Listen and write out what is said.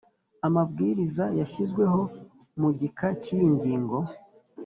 amabwiriza yashyizweho mu gika cy'iyi ngingo.